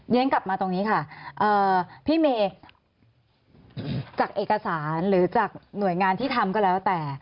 กลับมาตรงนี้ค่ะพี่เมย์จากเอกสารหรือจากหน่วยงานที่ทำก็แล้วแต่